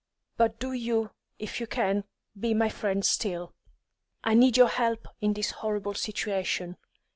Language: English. But do you, if you can, be my friend still. I need your help in this horrible situation.